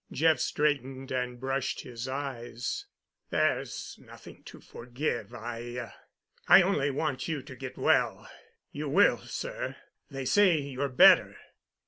Jeff straightened and brushed his eyes. "There's nothing to forgive. I—I only want you to get well—you will, sir. They say you're better."